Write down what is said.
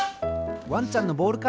ワンちゃんのボールか。